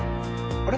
あれ？